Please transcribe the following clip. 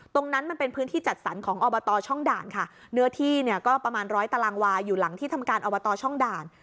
ตรงนั้นมันเป็นพื้นที่จัดสรรของอบตช่องด่านค่ะเนื้อที่เนี่ยก็ประมาณร้อยตารางวาอยู่หลังที่ทำการอบตช่องด่าน